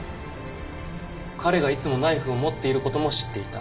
彼がいつもナイフを持っていることも知っていた。